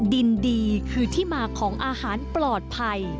ดินดีคือที่มาของอาหารปลอดภัย